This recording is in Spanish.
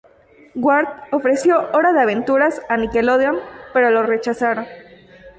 Ward ofreció Hora de Aventuras a Nickelodeon, pero lo rechazaron.